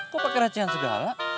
kok pakai recian segala